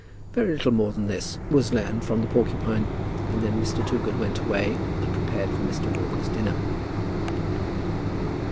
Very little more than this was learned from the porcupine; and then Mr. Toogood went away, and prepared for Mr. Walker's dinner.